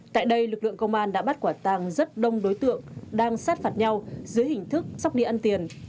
tại đây lực lượng công an đã bắt quả tàng rất đông đối tượng đang sát phạt nhau dưới hình thức sóc đi ăn tiền